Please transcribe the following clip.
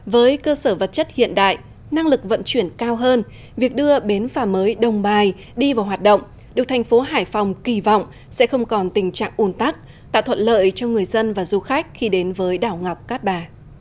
với cơ sở vật chất hiện đại năng lực vận chuyển cao hơn việc đưa bến phà mới đông bài đi vào hoạt động được thành phố hải phòng kỳ vọng sẽ không còn tình trạng ồn tắc tạo thuận lợi cho người dân và du khách khi đến với đảo ngọc cát bà